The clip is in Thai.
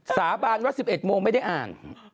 สาบานว่า๑๑โมงไม่ได้อ่าน